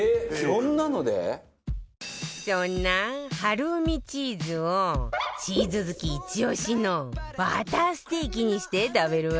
そんなハルーミチーズをチーズ好きイチオシのバターステーキにして食べるわよ